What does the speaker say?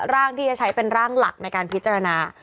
ร่างที่จะใช้เป็นร่างหลักในการพิจารณา